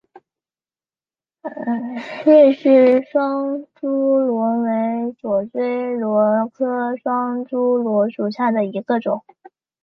芮氏双珠螺为左锥螺科双珠螺属下的一个种。